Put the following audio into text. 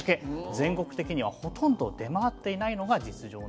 全国的にはほとんど出回っていないのが実情なんです。